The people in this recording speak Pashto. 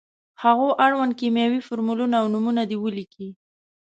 هغو اړوند کیمیاوي فورمولونه او نومونه دې ولیکي.